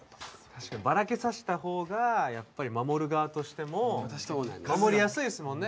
確かにバラけさせたほうがやっぱり守る側としても守りやすいですもんね